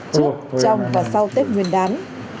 trước trong và sau tết nguyên đán